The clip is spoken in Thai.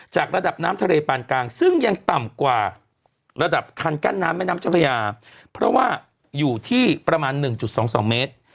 ระดับน้ำทะเลปานกลางซึ่งยังต่ำกว่าระดับคันกั้นน้ำแม่น้ำเจ้าพระยาเพราะว่าอยู่ที่ประมาณ๑๒๒เมตร